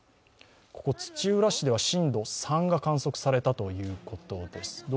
ここ、土浦市では震度３が観測されたということです。